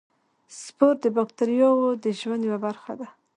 سپور د باکتریاوو د ژوند یوه برخه ده.